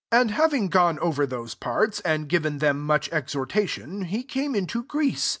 2 And having gone rer those parts, and given lem much exhd^ation, he ime into Greece.